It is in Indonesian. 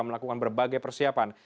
melakukan berbagai persiapan